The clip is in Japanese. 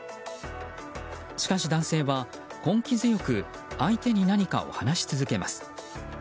しかし男性は、根気強く相手に何かを話し続けます。